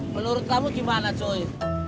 menurut kamu gimana coy